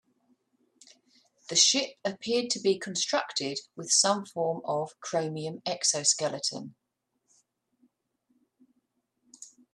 The ship appeared to be constructed with some form of chromium exoskeleton.